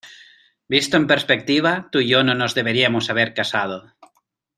Visto en perspectiva, tú y yo no nos deberíamos haber casado.